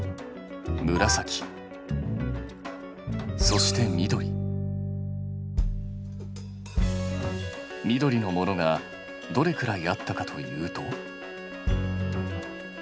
そして緑のものがどれくらいあったかというと？